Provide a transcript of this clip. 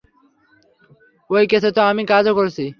ঐ কেসে তো আমিও কাজ করেছি।